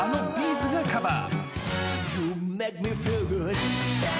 ’ｚがカバー。